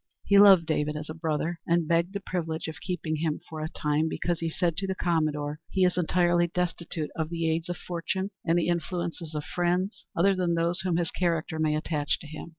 He loved David as a brother, and begged the privilege of keeping him for a time, "because," said he to the commodore, "he is entirely destitute of the aids of fortune and the influence of friends, other than those whom his character may attach to him."